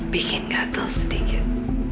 bikin gatel sedikit